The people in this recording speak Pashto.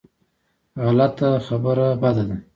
غلط خبره بده ده.